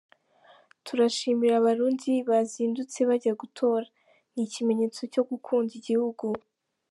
Turashimira Abarundi bazindutse bajya gutora, ni ikimenyetso cyo gukunda igihugu”.